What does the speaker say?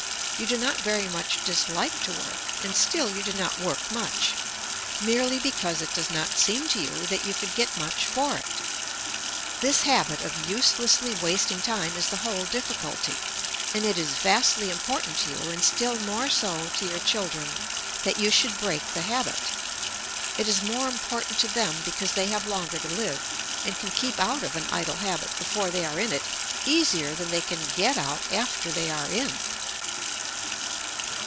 You do not very much dislike to work, and still you do not work much, merely because it does not seem to you that you could get much for it. This habit of uselessly wasting time is the whole difficulty, and it is vastly important to you, and still more so to your children, that you should break the habit. It is more important to them because they have longer to live, and can keep out of an idle habit before they are in it easier than they can get out after they are in.